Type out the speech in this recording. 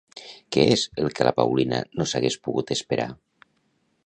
Què és el que la Paulina no s'hagués pogut esperar?